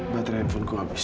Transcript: baterai handphone ku habis